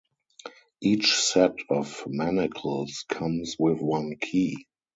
Each set of manacles comes with one key.